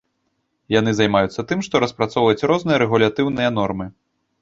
І яны займаюцца тым, што распрацоўваюць розныя рэгулятыўныя нормы.